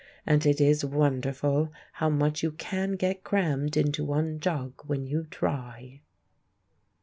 And it is wonderful how much you can get crammed into one jug when you try!